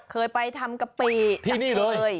เคยไปทำกะปิที่นี่เลย